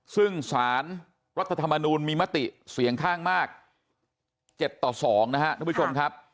ซึ่งสารรัฐธรรมนูลมีมติเสียงข้างมาก๗ต่อ๒นะครับทุกผู้ชมครับ